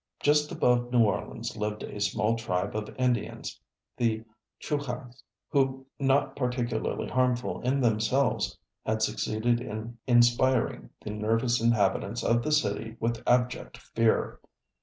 Just above New Orleans lived a small tribe of Indians, the Chouchas, who, not particularly harmful in themselves, had succeeded in inspiring the nervous inhabitants of the city with abject fear.